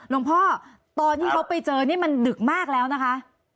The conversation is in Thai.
หลวงพ่อตอนที่เขาไปเจอนี่มันดึกมากแล้วนะคะ